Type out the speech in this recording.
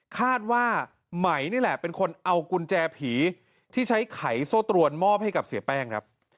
คาดว่าไหมนี่แหละเป็นคนเอากุญแจผีที่ใช้ไขโซ่ตรวนมอบให้กับเสียแป้งครับ